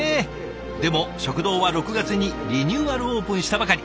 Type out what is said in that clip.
でも食堂は６月にリニューアルオープンしたばかり。